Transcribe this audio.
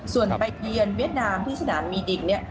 ส่วนไปเยือนเวียดนามที่สนามมีดิ่งเนี่ย